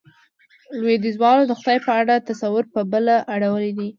لوېديځوالو د خدای په اړه تصور، په بله اړولی دی.